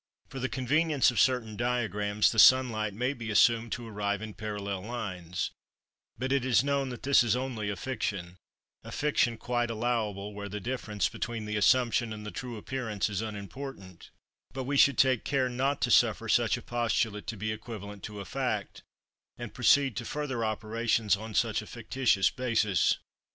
For the convenience of certain diagrams the sun light may be assumed to arrive in parallel lines, but it is known that this is only a fiction; a fiction quite allowable where the difference between the assumption and the true appearance is unimportant; but we should take care not to suffer such a postulate to be equivalent to a fact, and proceed to further operations on such a fictitious basis.